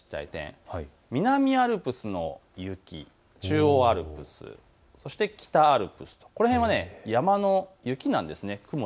南アルプスの雪、中央アルプス、そして北アルプス、この辺は山の雪なんです。